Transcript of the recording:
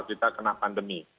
kita kena pandemi